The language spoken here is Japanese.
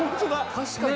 確かに。